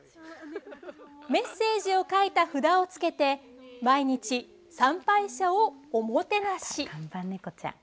メッセージを書いた札をつけて毎日、参拝者をおもてなし。